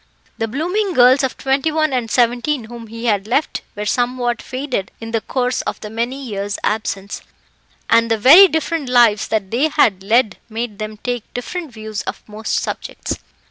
The blooming girls of twenty one and seventeen whom he had left were somewhat faded in the course of the many years' absence; and the very different lives that they had led made them take different views of most subjects.